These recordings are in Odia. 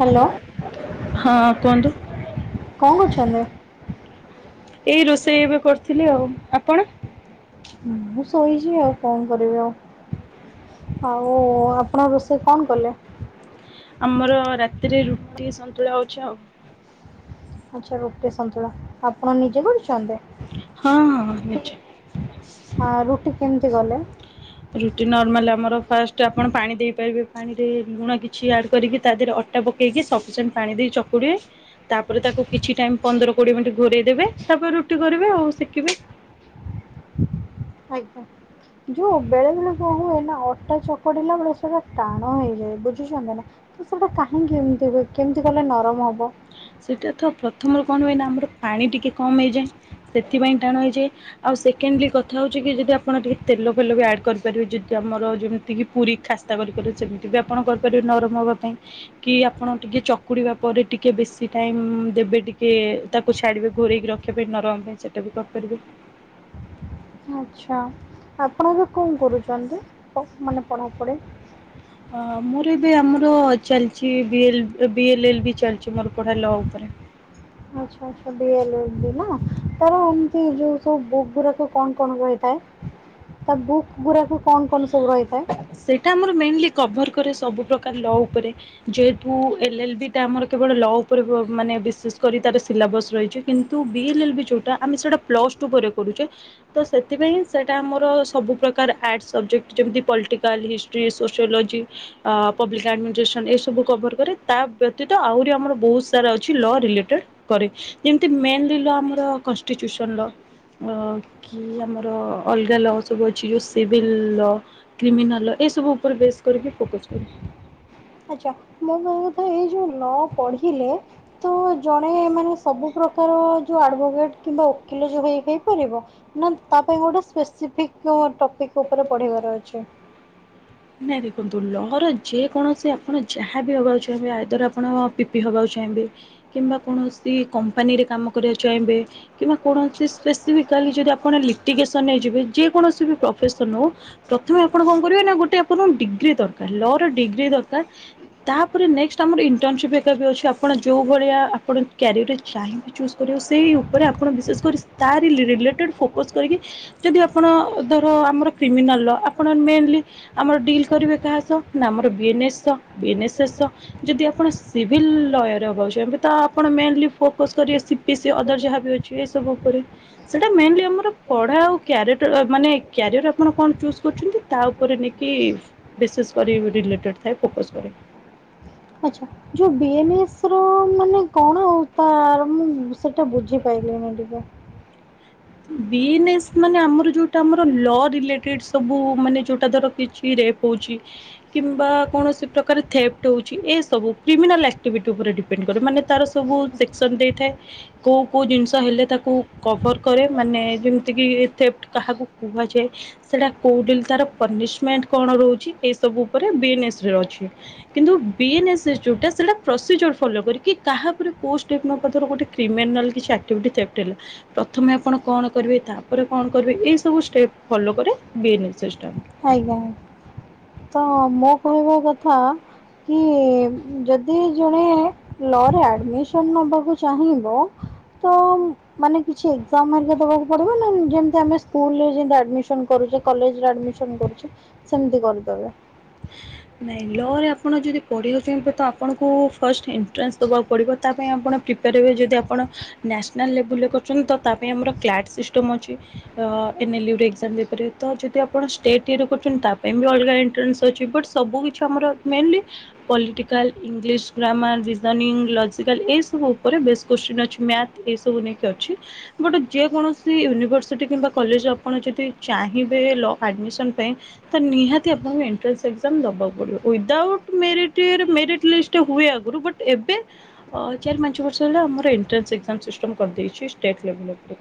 ହାଲୋ। କଣ କରୁଛନ୍ତି? ଏଇ ରୋଷେଇ ଏବେ କରୁଥିଲି ଆଉ। ଆପଣ? ମୁଁ ଶୋଇଛି ଆଉ କଣ କରିବି ଆଉ ଆଉ ଆ ଆପଣ ରୋଷେଇ କଣ କଲେ? ଆମର ରାତିରେ ରୁଟି, ସନ୍ତୁଳା ହଉଛି ଆଉ। ଆଚ୍ଛା ରୁଟି, ସନ୍ତୁଳା। ହଁ ହଁ ହଁ ନିଜେ। ଆ ରୁଟି କେମିତି କଲେ? ରୁଟି ନର୍ମାଲ ଆମର ଫାର୍ଷ୍ଟ ଆପଣ ପାଣି ଦେଇପାରିବେ ପାଣିରେ ଲୁଣ କିଛି ଆଡ଼୍ କରିକି ତା ଦେହରେ ଅ ଟା ପକେଇକି ସଫିସିଏଣ୍ଟ ପାଣି ଦେଇ ଚକୁଡିବେ। ତାପରେ ତାକୁ କିଛି ଟାଇମ ପନ୍ଦର, କୋଡିଏ ମିଣ୍ଟି ଘୋରେଇ ଦେବେ ତାପରେ ରୁଟି କରିବେ ଆଉ ସେକିବେ। ଆ ଯୋଉ ବେଳେ ବେଳେ କଁ ହୁଏ ନା ଅଟା ଚକଡିଲା ବେଳୁ ସେଟା ଟାଣ ହେଇଯାଏ ବୁ ଝୁଚନ୍ତି ନା ତ ସେଟା କାହିଁକି ଏମିତି ହୁଏ କେମିତି କଲେ ନରମ ହବ? ସେଟା ତ ପ୍ରଥମରୁ କଣ ହୁଏନା ଆମର ପାଣି ଟିକେ କମ ହେଇଯାଏ ସେଥିପାଇଁ ଟାଣ ହେଇଯାଏ। ଆଉ ସେକେଣ୍ଡଲି କଥା ହଉଛି କି ଯଦି ଆପଣ ଟିକେ ତେଲ ଫେଲ ବି ଆଡ କରିପାରିବେ ଯ [unintelligible] ଆମର ଯେମିତି କିି ପୁରୀ ଖାସ୍ତା କରି କଲେ ସେମିତି ବି ଆପଣ କରିପାରିବେ ନରମ ହବା ପାଇଁ। କି ଆପଣ ଟିକେ ଚ ପକୁଡ଼ିବା ପରେ ଟିକେ ବେଶୀ ଟାଇମ୍ ଦେବେ ଟିକେ ତାକୁ ଛାଡ଼ିବେ ଘୋରାଇକି ରଖିବେ ନରମ ପାଇଁ ସେ। ଏଟା ବି କରିପାରିବେ। ଆଚ୍ଛା ଆପଣ ଏବେ କଣ କରୁଚନ୍ତି ପର୍ଷନାଲ ପଢ଼ାପଢ଼ି? ହଁ ମୋର ଏବେ ଆମର ଚାଲିଚି ବିଏଲେଏଲେ ବି ଚାଲିଚି ମୋର ପଢା ଲ ଉପରେ। ଆଛା ଆଛା ବିଏଲେ ଏଲେ ବି ନା? ତାର ଏମିତି ଯୋଉ ସବୁ ବୁକ୍ ଗୁରାକୁ କଣ କଣ କୁହାଯାଇଥାଏ ତା ବୁକ୍ ଗୁଡାକୁ? କଣ କଣ ସବୁ ରହିଥାଏ? ସେଇଟା ଆମର ମେନ୍ ଲି କଭର କରେ ସବୁ ପ୍ରକାର ଲ ଉପରେ ଯେହେତୁ ଏଲେ ଏଲେ ବି ଟା ଆମର। କେବଳ ଲ ଉପରେ ମାନେ ବିଶେଷ କରି ତାର। ସିଲସ୍ ରହିଛି କିନ୍ତୁ ବିଏଲେ ଏଲେ ବି ଯୋଉଟା ଆମେ ସେଟା ପ୍ଲସ୍ ଟୁ ପରେ କରୁଛେ। ତ ସେଥିପାଇଁ ସେଟା ଆମର ସବୁ ପ୍ରକାର ଆର୍ଟ୍ସ। ସବଜେକ୍ଟେ ଯେମତି ପଲିଟିକାଲ ହିଷ୍ଟ୍ରି ସୋସିଓଲୋଜି। ଆ ପବ୍ଲିକ୍ ଆଡ଼ମିନିଷ୍ଟ୍ରେସନ୍ ଏସବୁ କଭର୍ କରେ ତା ବ୍ୟତୀତ ଆହୁରି ଆମର ବହୁତୁ ତାର ଅଛି ଲ ରିଲେଟେଡେ କରେ। ଇ ଲ ଆମର କଷ୍ଟିଚୁସନ୍ ଲ ଅ କି ଆମର। ତ ଅଲଗା ଲ ସବୁ ଅଛି ଯୋଉ ସିପି। ହିଲ କ୍ରିମିନାଲ ଏ ସବୁ ଉପରେ ବେସେ କରିକି ଫୋକସ କରୁ। ଆଚ୍ଛା ମୋ କହିବା କଥା ଏଇଯୋଉ ନ ପଢ଼ିଲେ ତ ଜଣେ ମାନେ ସବୁ ପ୍ରକାର ଯୋଉ ଆଡଭୋକେଟେ କିମ୍ବା ଥିଲେ ଯୋଗୁ ହେଇପାରିବ ନା ତା ପାଇଁ ଗୋଟେ ସ୍ପେସିଫିକି ଟପିକି ଉପରେ ପଢିବାର ଅଛି। ନାଇଁ ଦେଖନ୍ତୁ ଲହରେ ଯେକୌଣସି ଆପଣ ଯାହାବି ହବାକୁ ଚାହିଁବେ ଆ ଦ୍ୱରା ଆପଣ ପିପି ହବାକୁ ଚାହିଁବେ କିମ୍ବା କୌଣସି କମ୍ପାନୀରେ କାମ କରିବାକୁ ଚାହିଁବେ କିମ୍ବା କୌଣସି ସ୍ପେସିଫିକାଲି ଯଦି ଆପଣ ଲିଟିଗେସନ୍ ରେ ଯିବେ ଯେ କୌଣସି ବି ପ୍ରଫେସନ୍ ହୋଉ। ପ୍ରଥମେ ଆପଣ କଣ କରିବେ ନା ଗୋଟେ ଡିଗ୍ରୀ ଦରକାରେ ଲ ର ଡିଗ୍ରୀ ଦରକାରେ ତାପରେ ନେକେଷ୍ଟେ ଆମର ଇଣ୍ଟନସିପି ଏକା ବି ଅଛି। ଆପଣ ଯେଉଁ ଭଳିଆ ଆପଣ କ୍ୟାରିଅରରେ ଚାହିଁବି ଚୁଜ୍ କରିବେ ସେଇ। ଉପରେ ଆପଣ ବିଶେଷ କରି ତାରି ରିଲେଟେଡେ ଫୋକସ୍ କରିକି ଯଦି ଆପଣ ଧର ଆମର କ୍ରିମିନାଲର। ଆପଣ ମେନେଲି ଆମର ଡିଲ୍ କରିବେ କାହା ସହ ନା ଆମର ଵିଏନେସେସହ ବିଏନେସେସେସହ। ଯଦି ଆପଣ ସିଭିଲ୍ ଲୟର ହବାକୁଚାହଁବେ ଆପଣ ମେନେଲି ଫୋକସ କରିଆସିବେ କି ଅଦର ଯାହା ବି ଅଛି ଏ ସବୁ ଉପରେ। ସେଇଟା ମେନଲି ଆମର ପଢ଼ା ଆଉ କ୍ୟାରେଟର ମାନେ କ୍ୟାରିୟର ଆପଣ କଣ ଚୁଜୁ କରୁଚନ୍ତି ତା ଉପରେ ନେଇ। କି ବିଶେଷେ କରି ରିଲେଟେଡ଼େ ଥାଏ ଫୋକସ୍ କରେ। ଆଚ୍ଛା। ଯୋଉ ବିଏନ୍ଏସ୍ ର ମାନେ କଣ ତାର ମୁଁ ସେଇଟା ବୁଝିପାରଲି ନେହିଁ ଟିକେ? ବିଏ ନେସେ୍ ମାନେ ଆମର ଯୋଉଟା ଆମର ଲ ରିଲେଟେଡେ ସବୁ ମାନେ ଯୋଉଟା ଧର ପିଜ୍ କି ରେଫେ ହୋଉଛି। କିମ୍ବା କୌଣସି ପ୍ରକାର ଥେପ୍ଟେ ହୋଉଚି ଏ ସବୁ କ୍ରିମିନାଲ୍ ଆକ୍ଟିଭିଟି ଉପରେ। ପିନ୍ କୋଡ ମାନେତାର ସବୁ ସେକେସନ୍ ଦେଇ ଥାଏ। କୋଉ କୋଉ ଜିନିଷ ହେଲେତାକୁ କଭର। କରେ ମାନେ ଯେମିତିକି ଏଥେପ୍ଟେ କାହାକୁ କୁହାଯାଏ। ସେଇଟା କୋଉଡିଲି ତାର ପନିଶିମେଣ୍ଟେ କଣ ରହୁଚି ଏସବୁ ଉପରେ ବିଏନେସେରେ ଅଛି। କିନ୍ତୁ ବିଏନେସେସେ ଯୋଉଟା ପ୍ରସେଜୋର ଫଲୋ କରିକି କାହା ଉପରେ ପୋଟଟାଇପି ନକରି ଧର ଗୋଟ। କ୍ରିମିନାଲ କିଛି ଆକ୍ଟିଭିଟି ଥ୍ୟଏଟେ ହେଲା ପ୍ର ପ୍ରଥମେ ଆପଣ କଣ କରିବେ ତାପରେ କଣ କରିବେ ଏଇସବୁ ଷ୍ଟେପ୍ ଫଲୋ କରେ ବିଏନେସେସେଟା। ଆଜ୍ଞା ଆଜ୍ଞା। ତ ମୋ କହିବା କଥା କି ଯଦି ଜଣେ ଲରେ ଆଡମିସନ ନବାକୁ ଚାହିଁବ ତ ମାନେ କିଛି ଏକଜାମ ହେରିକା ଦବାକୁ ପଡିବ ନା ଯେମତି ଆମେ ସ୍କୁଲରେଜିଇତି ଆଡିମିଶନ କରୁଛେ। କଲେଜରେ ଆଡମିସନ କରୁଛେ ସେମିତି କରିପାରିବା। ନାଇଁ ଲ ରେ ଆପଣ ଯଦି ପଢିବାକୁ ଚାହିଁବେତ ତ ଆପଣଙ୍କୁ ଫାଷ୍ଟ ଏଣ୍ଟ୍ରାନ୍ସ ଦବାକୁଡ଼ିବ ତା ପାଇଁ ଆପଣ ପ୍ରିପେୟାର ହେବେ ଯଦିଆପଣ ଆପଣ ନ୍ୟାସନାଲ୍ ଲେବୁଲରେ କରୁଛନ୍ତି ତ ତା ପାଇଁ ଆମର କ୍ଲାଟ ସିଷ୍ଟମ୍ ଅଛି। ଏନ୍ଏଲୁରେ ଏକଜାମ ଦେଇପାରିବ ତ ଯଦି ଆପଣ ଷ୍ଟେଟ ଇଏ କରୁଛନ୍ତିତ ତା ପାଇଁ ଏଣ୍ଟ୍ରାନ୍ସ। ଜିପଟ ସବୁ କିଛି ଆମର ମେନଲି ପଲ୍ଟିକାଲ ଇଂଲିଶ ଗ୍ରାମର ବିଦାନୀଙ୍ଗ ଲଜିକାଲ ଏସବୁ ଉପରେ ବେଶ କୋଶଚୀନ ଅଛି। ମ୍ୟାଥ ଏସବୁ ଜିନିଷ ଅଛି। ବଟ ଯେକୌଣସି ୟୁନିଭର୍ସିଟି କିମ୍ବା କଲେଜ ଆପଣ ଯଦି ଚାହିଁବେ ଲ ଆଡ଼ମିସନ ପାଇଁତ ନିହାତି ଏଣ୍ଟ୍ରାସ ସେ ସେକ୍ସନ ଦବାକୁ ପଡିବ ଉଇଡାଉଟ ମେରିଟ ମେରିଟ ଲିଷ୍ଟି ହୁଏ ଆଗରୁ। ବଟ ଏବେ ଚାରି ପାଞ୍ଚ ବର୍ଷ ହେଲା ଆମର ଏଣ୍ଟ୍ରାନ୍ସ ସିଗନାଲ ସିଷ୍ଟମ କରିଦେଇଛିଷ୍ଟେଟ ଲେବୁଲ ଉପରେ।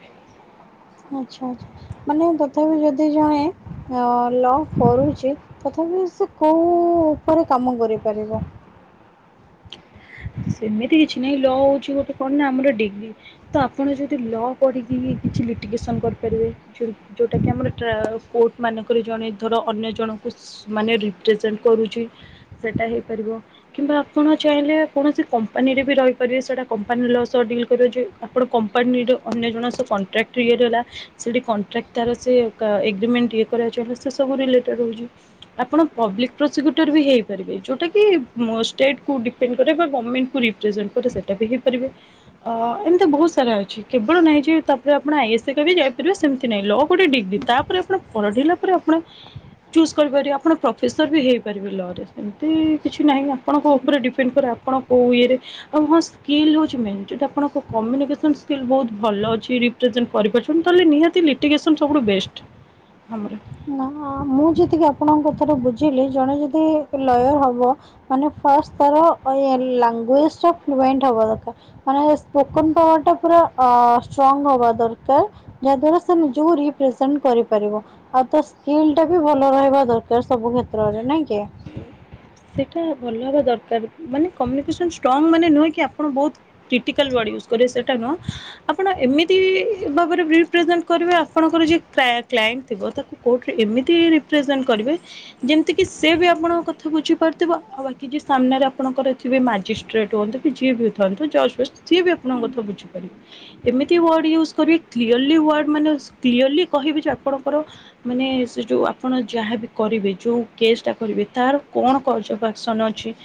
ଆଛା ଆଛା ମାନେ ତଥାପି ଯଦି ଜଣେ ହଁ ଲ କରୁଛି ତଥାପି ସେ କୋଉ ଉପରେ କାମ କରିପାରିବ। ସେମିତି କିଛି ନାଇଁ ଲ ହଉଛି ଗୋଟେ କଣ ନା ଆମର ଡିଗ୍ରୀ। ତ ଆପଣ ଯଦି ଲ କରିକି କିଛି ଲିଟିଗେସନ୍ କରିପାରିବେ। ଯୋଉଟା କି ଆମର କୋର୍ଟ ମାନଙ୍କରେ ଜଣେ ଧର ଅନ୍ୟ ଜଣଙ୍କୁ ମାନେ ରିପ୍ରେଜେଣ୍ଟ କରୁଛି ସେଟା ହେଇପାରିବ କିମ୍ବା ଆପଣ ଚାହିଁଲେ କୌଣସି କମ୍ପାନୀରେ ବି ରହିପାରିବେ ସେଇଟା କମ୍ପାନୀ ଲ ସହ ଡିଲ୍ କରିବ ଯେ ଆପଣ କମ୍ପାନୀର ଅନ୍ୟ ଜଣ ସହ କଣ୍ଟ୍ରାକ୍ଟ। ଟ୍ରିଏ ହେଲା ସେଠି କଣ୍ଟ୍ରାକ୍ଟ ତାର ସେ ଏଗ୍ରିମେଣ୍ଟ ଇଏ କରିବାକୁ ଚାହିଁଲେ ସେ ସବୁ ରିଲେଟେ୍ଡ଼ ହଉଚି। ଆପଣ ପବ୍ଲିକ ପ୍ରଶିକ୍ୟୁଟର ହେଇପାରିବେ। ଜଉଟା କି ଷ୍ଟେଟ କୁ ଡିପେଣ୍ଡେ କରେ ବା ଗମେଣ୍ଟ ମେନକୁ ରିପ୍ରେଜେଣ୍ଟ କରି ସେଟା ବି ହେଇ ପାରିବେ। ଅ ଏମିତି ବହୁତ ସାରା ଅଛି କେବଳ ନାହିଁ ଯେ ତାପରେ ଆପଣ ଆଇଏସ୍ କା ବି ଯାଇପାରିବେ ସେମିତି ନାହିଁ। ଲ ଗୋଟେ ଡିଗ୍ରୀ ତାପରେ ଆପଣ ପଢିଲା ପରେ ଆପଣ ଚୁଜ କରିପାରିବେ ଆପଣପ୍ର ପ୍ରଫେସର ବି ହେଇପାରିବେ ଲରେ ସେମିତି କିଛି ନାହିଁ ଆପଣଙ୍କ ଉପରେ ଡିପେଣ୍ଡ କରେ ଆପଣ କଉ ଇଏରେ ଏବଂ ହଁ ସ୍କିଲ୍ ହଉଛି ମେନ ଯଦି ଆପଣଙ୍କ କମ୍ୟୁନିକେସନ ସ୍କିଲ୍ ବହୁତ ଭଲ ଅଛିରେ ରିପ୍ରେଜଣ୍ଟ କରିପାରୁଛନ୍ତି ତାହେଲେ ନିହାତି ଲିଟିଗେସନ୍ ସବୁଠୁ ବେଷ୍ଟ ଆମର। ନା ମୁଁ ଯେତିକି ଆପଣଙ୍କ କଥାରୁ ବୁଝିଲି ଜଣେ ଯଦି ଲୟର ହବ ମାନେ ଫାଷ୍ଟ ତାର ଲାଙ୍ଗୁଏଜ ଟା ୱେଣ୍ଡ ହବା ଦରକାର ମାନେ ସ୍ପୋକନ ପାୱାର ଟା ପୁରା ଅ ଷ୍ଟ୍ରଙ୍ଗ ହବା ଦରକାର ଯାହା ଦ୍ଵାରା ସେ ନିଜକୁ ରିପ୍ରେଜେଣ୍ଟ କରିପାରିବ। ଆଉ ତ ସ୍କିଲ୍ ଟା ବି ଭଲ ରହିବା ଦରକାର ସବୁ କ୍ଷେତ୍ରରେ ନାଇଁ କି? ସେଇଟା ଭଲ ହବା ଦରକାର ମାନେ କମୁନିକେସନ ଷ୍ଟ୍ରଙ୍ଗ ମାନେ ନୁହେଁକି ଆପଣ ବହୁତ କ୍ରିଟିକାଲ ୱାର୍ଡ ୟୁଜ କରିବେ ସେଟା ନୁହଁ। ଆପଣଏମିତି ଠିକ ଭାବରେ ରିପ୍ରେଜେଣ୍ଟ କରିବେ ଆଉ। ଆପଣଙ୍କର ଯିଏ କ୍ଲାଣ୍ଟ ଥିବ ତାକୁ କୋଟରେ ଏମିତି ରିପ୍ରେଜଣ୍ଟ କରିବେ ଯେମିତି କିି ସେ ବି ଆପଣଙ୍କ କଥା ବୁଝିବ ବୁଝିପାରୁଥିବ ଆଉ ବାକି ସାମ୍ନାରେ ଆପଣଙ୍କର ଥିବେ ମାଜିଷ୍ଟ୍ରେଟ୍ ହୁଅନ୍ତୁ କି ଯିଏ ହୋଇଥାନ୍ତୁ ଜଜବସିଥାନ୍ତୁ ଯିଏ ବି ଆପଣଙ୍କ କଥା ବୁଝିପାରିବେ ଏମତିୱାର୍ଡ ଇୟୁଜ କରିକ୍ଳିଅଲି ୱାର୍ଡ ମାନେ କ୍ଳିଅଲି କହିବେ ଯେ ଆପଣଙ୍କର ମାନେ ସେ ଯଉ ଆପଣ ଯାହାବି କରିବେ ଯୋଉ କେସ୍ ଟା କରିବେ ତାର କଣ କର୍ଜନ ଆକ୍ସନ୍ ଅଛି।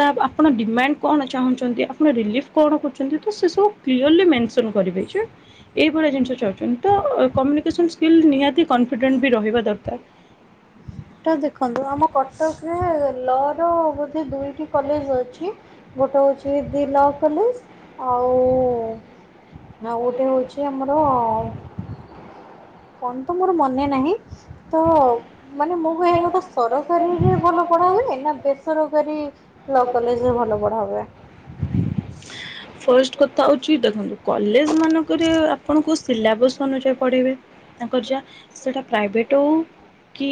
ତା ଆପଣ ଡିମାଣ୍ଡ କଣ ଚାହୁଁଛନ୍ତି ଆପଣ ରିଲିଫ୍ କଣ କରୁଛନ୍ତି ତ ସେ ସବୁ କ୍ଳିଅଲି ମେନସନ କରିବେ ଯେ ଏଇଭଳିଆ ଜିନିଷଚାହୁଛନ୍ତି ତ କମ କିସନ ସ୍କିଲ୍ ନିହାତି କନଫିଡେଣ୍ଟ ବି ରହିବା ଦରକାର। ଟା ଦେଖନ୍ତୁ ଆମ କଟକରେ ଲ ର ବୋଧେ ଦୁଇଟି କଲେଜ ଅଛି ଗୋଟେ ହଉଛି ଦି ଲ କଲେଜ। ଆଉ ଗୋଟେ ହଉଛି ଆମର କଣ ତ ମୋର ମନେ ନାହିଁ ତ ମାନେ ମୁଁ କହିବା କଥା ସରକାରୀରେ ଭଲ ପଢା ହୁଏ ନା ବେସରକାରୀ। ଲ କଲେଜରେ ଭଲ ପଢା ହୁଏ। ଫାଷ୍ଟ କଥା ହଉଛି ଦେଖନ୍ତୁ କଲେଜ ମାନଙ୍କରେ ଆପଣଙ୍କ ସିଲାବସ୍। ଅନୁଯାୟୀ ପଢ଼ିବେ ତାଙ୍କର ଯାହା ସେଟା ପ୍ରାଇଭେଟ୍। ହଉ କି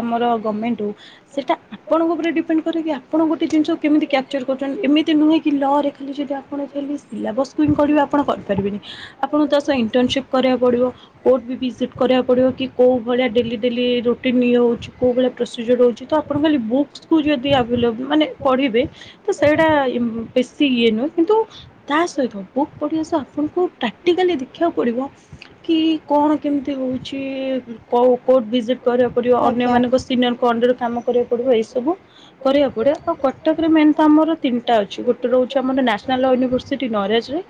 ଆମର ଗଭମେଣ୍ଟ ହଉ ସେଇଟା ଆପଣଙ୍କ ଉପରେ ଡିପେଣ୍ଡ କରେ କି। ଆପଣ ଗୋଟେ ଜିନିଷ କେମିତି କ୍ୟାପଚର୍ କରୁଛନ୍ତି ଏମିତି ନୁହେଁ କି ଲ ରେ ଖାଲି ଯଦି ଆପଣ ଖାଲି। ପିଲା ବସକୁ ହିଁ କରିବେ ଆପଣ କରିପାରିବେନି। ଆପଣଙ୍କୁ ତା ସହ ଇଣ୍ଟର୍ନସିପ୍ କରିବାକୁ ପଡିବ କୋଟ ଭିଜିଟ କରିବାକୁ ପଡିବ କି। କଉଁ ଭଳିଆ ଡେଲି ଡେଲି ରୁଟିନ୍ ଇଏ ହେଉଛି କଉଁ ଭଳିଆ ପ୍ରୋସିଜିର ହେଉଛି ତ ଆପଣ ଖାଲି ବୁକ ସ୍କୁଲ ଯଦି ଆଭେଲେବୁଲ ମାନେ ପଢିବେ ତ ସେଇଟା ବେଶୀ ଇଏ ନୁହେଁ କିନ୍ତୁ ତା ସହିତ ବୁକ୍ ପଢ଼ିବା ସବୁ ଆପଣଙ୍କୁ ପ୍ରାକ୍ଟିକାଲି ଦେଖିବାକୁ ପଡ଼ିବ। କି କଣ କେମିତି ହଉଛି? କୋଉ କୋର୍ଟ ଭିଜିଟ୍ କରିବାକୁ ପଡ଼ିବ ଅନ୍ୟମାନଙ୍କ ସିନିୟରଙ୍କ ଫଣ୍ଡରେ କାମ କରିବାକୁ ପଡ଼ିବ ଏଇସବୁ। କରିବାକୁ ପଡିବ ତ କଟକରେ ମେନ୍ ତ ଆମର ତିନିଟା ଅଛି ଗୋଟେ ରହୁଛି ଆମର ନ୍ୟାସନାଲ୍ ୟୁନିଭର୍ସି। ସିଟି ନରେଜରେ।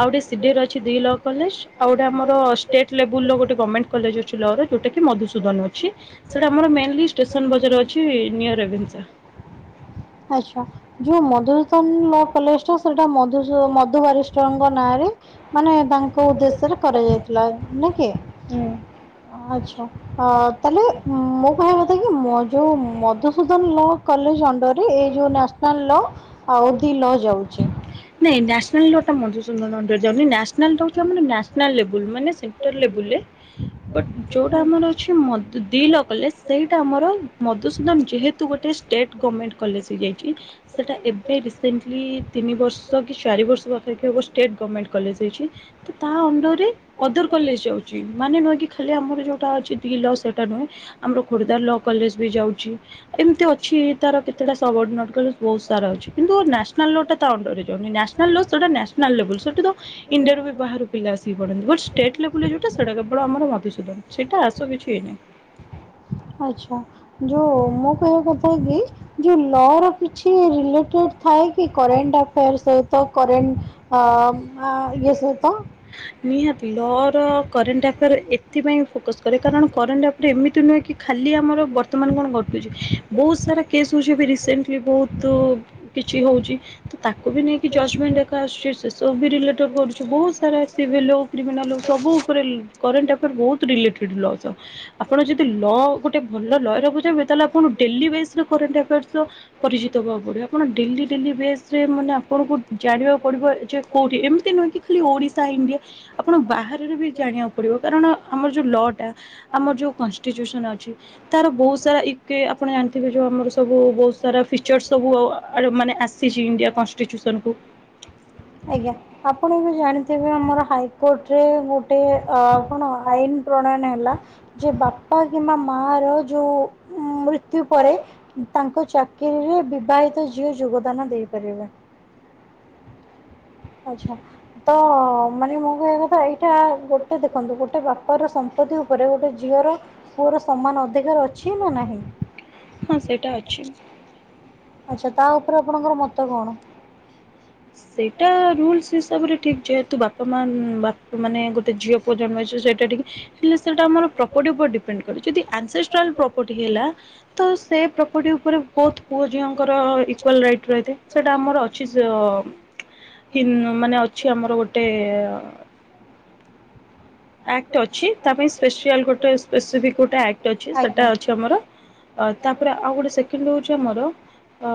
ଆଉ ଗୋଟେ ସିଡିଏରେ ଅଛି ଦି ଲ କଲେଜ ଆଉ ଗୋଟେ ଆମର ଷ୍ଟେଟ ଲେବୁଲର ଗୋଟେ ଗଭମେଣ୍ଟ କଲେଜ ଅଛି ଲ ରେ। ଯୋଉଟା କି ମଧୁସୂଦନ ଅଛି ସେଟା ଆମର ମେନଲି ଷ୍ଟେସନ ବଜାର ଅଛି ନିଅର ଆଚ୍ଛା ଯୋଉ ମଧୁସୂଦନ ଲ କଲେଜ। ସେଟା ମଧୁ ମଧୁବାରିଷ୍ଠଙ୍କ ନାଁରେ ମାନେ ତାଙ୍କ ଉଦ୍ଦେଶ୍ୟରେ କରାଯାଇ ଥିଲା ନାକି ଆଚ୍ଛା। ଅ ତାହେଲେ ମୁଁ କହିବା କଥା କି ମୋ ଯୋଉ ମଧୁସୂଦନ ଲ କଲେଜ ଅଣ୍ଡରରେ ଏଇ ଯୋଉ ନାସନାଲ ଲ ଆଉ ଦି ଲ ଯାଉଚି। ନାଇଁ ନ୍ୟାସନାଲ ଲ ଟା ମଧୁସୂଦନ ଲଟ ଯାଦି ନା ନେସନାଲ ଦଉଥିବ ମାନେ ନାସନାଲ୍ ଲେବୁଲ ମାନେ ସେକ୍ଟର ଲେବୁଲରେ ବଟ୍ ଯୋଉଟା ଆମର ଅଛି ମ ଦି ଲ ଅବଲେ ସେଇଟା ଆମର ମଧୁସୂଦନ ଯେହେତୁ ଗୋଟେ ଷ୍ଟେଟ ଗଭର୍ମେଣ୍ଟ କଲେଜ ହେଇଯାଇଛି। ସେଇଟା ଏବେ ରିସେଣ୍ଟଲି ତିନି ବର୍ଷ ଯ କି ଚାରି ବର୍ଷ ପାଖାପାଖି ହବ ଷ୍ଟେଟ୍ ଗଭମେଣ୍ଟ କଲେଜ ହେଇଛି ତ ତା ଅଣ୍ଡରେ ଅଦର କଲେଜ ଯାଉଛି ମାନେ ନୁହେ କି ଖାଲି ଆମର ଯୋଉଟା ଅଛି ଦି ଲ ସେଟା ନୁହେଁ ଆମର ଖୋର୍ଦ୍ଧା ଲକ୍ କଲେଜ ବି ଯାଉଚି। ଏମିତି ଅଛି ତାର କେତେଟା ସବ ଓଡିନେଟ କଲେଜ ବହୁତ ସାରା ଅଛି କିନ୍ତୁ ନ୍ୟାସନାଲୋଟା ତା ଅଣ୍ଡରେ ନ୍ୟାସନାଲ୍ ଲୁକ୍ ସେଟା ନ୍ୟାସଲେବୁଲ୍ ସେଠିତ ଇଣ୍ଡିଆରୁବି ବାହାରୁ ପିଲା ଆସିକି ପଢନ୍ତି ବଟ୍ ଷ୍ଟେଟ୍ ନେସନାଲ ଲେବୁଲରେ ଯେଉଟା ସେଟା କେବଳ ଆମର ମଧୁସୁଦନ ସେଟା ଆସ କିଛି ଆଚ୍ଛା ଯୋଉ ମୁଁ କହିବା କଥା କି? ଯୋଉ ଲ ର କିଛି ରିଲେଟେଡ୍ ଥାଏ କି କରେଣ୍ଟ ଆଫାୟର ସହିତ କରେଣ୍ଟ [unintelligible] ନିହାତି ଲ ର କରେଣ୍ଟ ଆଫେୟାର ଏଥିପାଇଁ ଫୋକସ୍ କରେ କାରଣ କରେଣ୍ଟ ଆପ୍ ଟେ ଏମିତି ନୁହେଁ କି ଖାଲି ଆମର ବ ତ ମାନେ କଣ ଘଟୁଛି ବହୁତ ସାରା କେସ୍ ହଉଚି ଏବେ ରିସେଣ୍ଟଲି ବହୁତୁ କିଛି ହଉଚି ତ ତାକୁ ବି ନେଇକି ଜଜମେଣ୍ଟ ଘରିକା ଆସୁଛି ସେ ସବୁ ବି ରିଲେଟେଡ୍ କରୁଚି ବହୁତ୍ ସାରା ଆସି ଭିଲୁ କ୍ରିମିନାଲଉ ସବୁ ଉପରେ କରେଣ୍ଟ ଆଫେର ବହୁତ୍ ରିଲେଟେଡ୍‌ ଲସ ଆପଣ ଯଦି ଲ ଗୋଟେ ଭଲ ଲୟ ରଘୁଚେପ୍ ବେତାଲାଖୁଣୁ ଡେଲି ବେସ୍ ର କରେଣ୍ଟ ଆଫେୟାର୍ସର ପରିଚିତ ହବାକୁ ପଡିବ ଆପଣ ଡେଲି ଡେଲି ବେସ୍ ରେ ମାନେ ଆପଣଙ୍କୁ ଜାଣିବାକୁ ପଡିବ ଯେ କୋଉଠି ଏମ୍ ତି ନୁହେଁ କି ଖାଲି ଓଡିଶା ଇଣ୍ଡିଆ ଆପଣ ବାହାରରେ ବି ଜାଣିବାକୁ ପଡିବ କାରଣ ଆମର ଯୋଉ ଲ ଟା ଆମର ଯୋଉ କନ୍‌ଷ୍ଟିଚ୍ୟୁସନ୍ ଅଛି ତାର ବହୁତ୍ ସାରା ୟୁକେ ଆପଣ ଜାଣିଥିବେ ଯୋଉ ଆମର ସବୁ ବହୁତ୍ ସାରା ଫିଚର୍ ସବୁ ଆଉ ଆଡୁ ମାନେ ଆସିଚି ଇଣ୍ଡିଆ କନ୍‌ଷ୍ଟିଚୁସନ୍ କୁ ଆଜ୍ଞା ଆପଣ ଏବେ ଜାଣିଥିବେ ଆମର ହାଇକୋର୍ଟରେ ଗୋଟେ ଅ କଣ ଆଇନ୍ ପ୍ରଣୟନ ହେଲା ଯେ ବାପା କିମ୍ବା ମା ର ଯୋଉ ମୃ ତ୍ୟୁ ପରେ ତାଙ୍କ ଚାକିରିରେ ବିବାହିତ ଝିଅ ଯୋଗଦାନ ଦେଇପାରିବେ। ଆଚ୍ଛା ତ ମାନେ ମୁଁ କହିଆ କଥା ଏଇ ଟା ଗୋଟେ ଦେଖନ୍ତୁ ଗୋଟେ ବାପା ର ସମ୍ପତ୍ତି ଉପରେ ଗୋଟେ ଝିଅର ପୁଅର ସମାନ ଅଧିକାର ଅଛି ନାଁ ନାହିଁ? ହଁ ସେଇଟା ଅଛି। ଆଚ୍ଛା ତା ଉପରେ ଆପଣଙ୍କର ମତ କଣ? ସେଇଟା ରୁଲସ୍ ହିସାବରେ ଠିକ୍ ଯେହେତୁ ବାପା ମା ବା ମାନେ ଗୋଟେ ଝିଅ ପୁଅ ଜନ୍ମ ହେଇଯିବ ସେଇଟା ଟିକେ ହେଲେ ସେଇଟା ଆମର ପ୍ରପର୍ଟି ଉପରେ ଡିପେଣ୍ଡ କରେ ଯଦି ଆନ୍ସେଷ୍ଟ୍ରାଲ୍ ପ୍ରପର୍ଟି ହେଲା ତ ସେ ପ୍ରପର୍ଟି ଉପରେ ବହୁତ ପୁଅ ଝିଅଙ୍କର ଇକ୍ୱାଲ ରାଇଟ୍ ରହିଥାଏ ସେଇଟା ଆମର ଅଛି ଯ ହିନ୍ ମାନେ ଅଛି ଆମର ଗୋଟେ ଅ ଆକ୍ଟ ଅଛି ତା ପାଇଁ ସ୍ପେସିଆଲ ଗୋଟେ ସ୍ପେସିଫିକ ଗୋଟେ ଆକ୍ଟ ଅଛି ସେଟା ଅଛି ଆମର। ଅ ତାପରେ ଆଉ ଗୋଟେ ସେକେଣ୍ଡ ହଉଚି ଆମର ଅ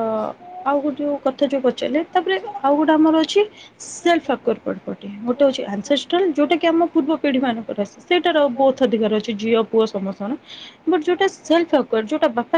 ଆଉ ଗୋଟ୍ ଯୋଉ କଥା ଯୋଉ ପଚାରିଲେ ତାପରେ ଆଉ ଗୋଟେ ଆମର ଅଛି ସେଲ୍ଫ ଅରର୍କର୍ ପର୍ପଟି ଗୋଟେ ହଉଛି ଆନସେ ଷ୍ଟ୍ରାଲ ଯୋଉଟା କି ଆମ ପୁର୍ବ ପିଢି ମାନଙ୍କର ଅସି ସେଇଟାର ବୋଥ ଅଧିକାର ଅଛି ଝିଅ ପୁଅ ସମସ୍ତଙ୍କର। ବଟ୍ ଯୋଉଟା ସେଲ୍ଫ ଅକ୍ୱାର୍ଡ୍ ଯୋଉଟା ବାପା